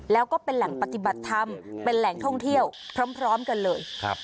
แล้วก็เป็นแหล่งปฏิบัติธรรมเป็นแหล่งท่องเที่ยวพร้อมกันเลยครับ